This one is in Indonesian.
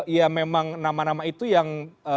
ya memang nama nama itu yang